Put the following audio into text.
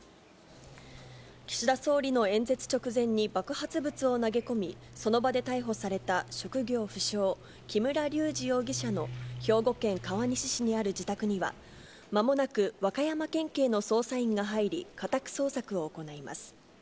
岸田総理の演説直前に爆発物を投げ込み、その場で逮捕された職業不詳、木村隆二容疑者の兵庫県川西市にある自宅には、まもなく和歌山県警の捜査員が入り、家宅捜索を行います。